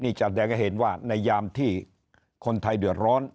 นี่จะแสดงให้เห็นว่าในยามที่คนไทยเดือดร้อน